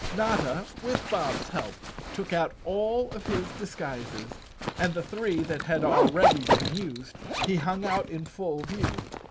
Notta, with Bob's help, took out all of his disguises, and the three that had already been used he hung out in full view.